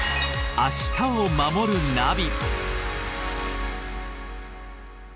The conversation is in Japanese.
「明日をまもるナビ」